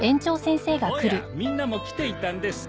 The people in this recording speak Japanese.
おやみんなも来ていたんですか。